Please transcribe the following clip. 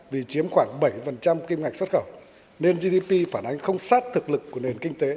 vì chiếm khoảng bảy kim ngạch xuất khẩu nên gdp phản ánh không sát thực lực của nền kinh tế